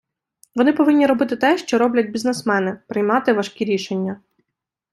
Вони повинні робити те, що роблять бізнесмени - приймати важкі рішення.